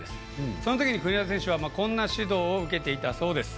そのときに国枝選手はこんな指導を受けたみたいです。